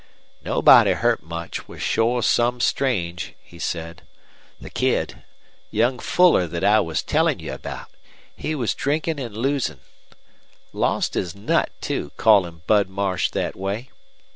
"Nobody hurt much, which's shore some strange," he said. "The Kid young Fuller thet I was tellin' you about he was drinkin' an' losin'. Lost his nut, too, callin' Bud Marsh thet way.